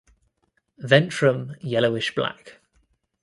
Ventrum yellowish black.